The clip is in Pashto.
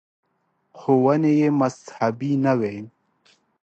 • ښوونې یې مذهبي نه وې.